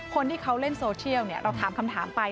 คนที่เขาเล่นโซเชียลเราถามคำถามไป